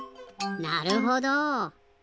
なるほど。